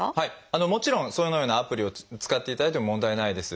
もちろんそのようなアプリを使っていただいても問題ないです。